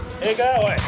おい。